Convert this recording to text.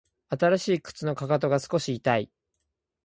新しい靴のかかとが少し痛い